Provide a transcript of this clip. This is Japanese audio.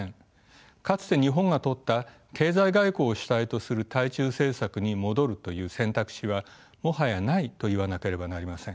かつて日本がとった経済外交を主体とする対中政策に戻るという選択肢はもはやないと言わなければなりません。